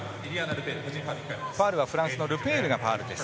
ファウルはフランスのルペールです。